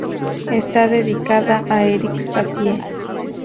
Está dedicada a Erik Satie.